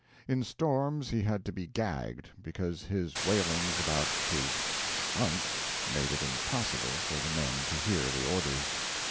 In storms he had to be gagged, because his wailings about his "trunk" made it impossible for the men to hear the orders.